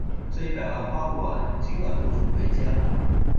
這一百萬花不完，今晚不准回家